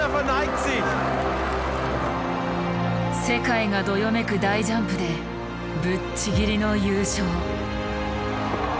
世界がどよめく大ジャンプでぶっちぎりの優勝。